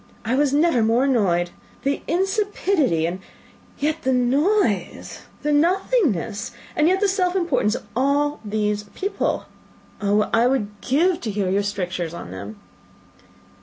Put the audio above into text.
I was never more annoyed! The insipidity, and yet the noise the nothingness, and yet the self importance, of all these people! What would I give to hear your strictures on them!"